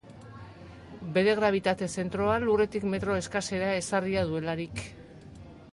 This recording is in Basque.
Bere grabitate zentroa lurretik metro eskasera ezarria duelarik.